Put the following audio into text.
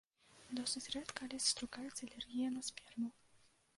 Досыць рэдка, але сустракаецца алергія на сперму.